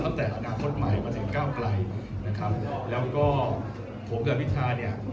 ตั้งแต่อนาคตใหม่มาถึงก้าวไกลนะครับแล้วก็ผมกับพิธาเนี่ย